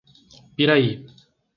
Piraí